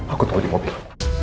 aku tunggu di mobil